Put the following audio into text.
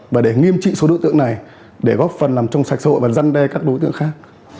và để nghiêm trị số đối tượng này để góp phần làm trong sạch sội và răn đe các đối tượng khác